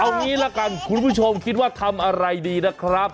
เอางี้ละกันคุณผู้ชมคิดว่าทำอะไรดีนะครับ